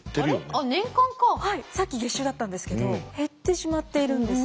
さっき月収だったんですけど減ってしまっているんですね。